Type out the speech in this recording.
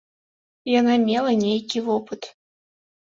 Яна мела нейкі вопыт.